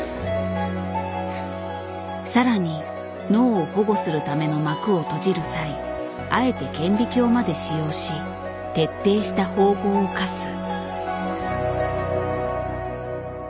さらに脳を保護するための膜を閉じる際あえて顕微鏡まで使用し徹底した縫合を課す。